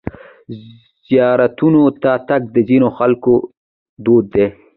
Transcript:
زیارتونو ته تګ د ځینو خلکو دود دی.